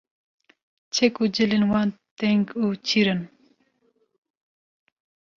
Çek û cilên wan teng û çîr in